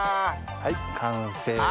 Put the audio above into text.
はい完成です。